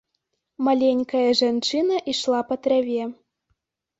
Маленькая жанчына ішла па траве.